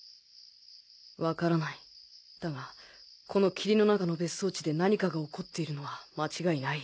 わからないだがこの霧の中の別荘地で何かが起こっているのは間違いない。